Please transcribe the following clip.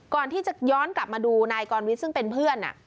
ก่อนที่จะย้อนกลับมาดูนายกรวิทย์ซึ่งเป็นเพื่อน